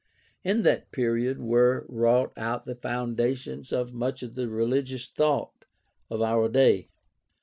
In that period were wrought out the foundations of much of the religious thought of our day.